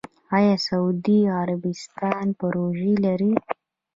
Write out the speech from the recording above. آیا سعودي عربستان پروژې لري؟